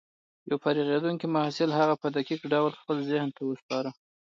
يو فارغېدونکي محصل هغه په دقيق ډول خپل ذهن ته وسپاره.